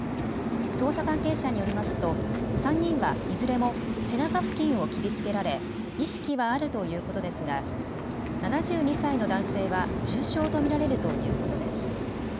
捜査関係者によりますと３人はいずれも背中付近を切りつけられ意識はあるということですが７２歳の男性は重傷と見られるということです。